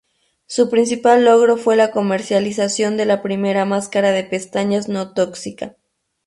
Su principal logro fue la comercialización de la primera máscara de pestañas no tóxica.